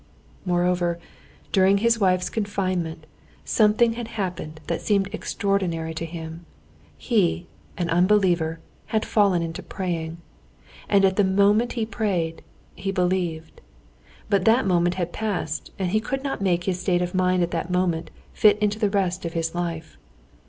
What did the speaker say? Moreover, during his wife's confinement, something had happened that seemed extraordinary to him. He, an unbeliever, had fallen into praying, and at the moment he prayed, he believed. But that moment had passed, and he could not make his state of mind at that moment fit into the rest of his life.